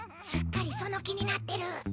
すっかりその気になってる。